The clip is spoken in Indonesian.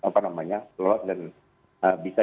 keluar dan bisa